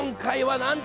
なんと！